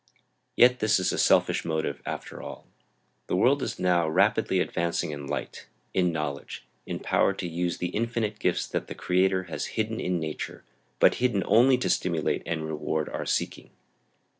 Yet this is a selfish motive, after all. The world is now rapidly advancing in light, in knowledge, in power to use the infinite gifts that the Creator has hidden in nature; but hidden only to stimulate and reward our seeking.